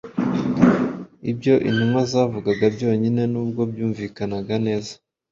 Ibyo intumwa zavugaga byonyine n’ubwo byumvikanaga neza